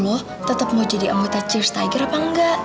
lo tetap mau jadi anggota cheers tiger apa enggak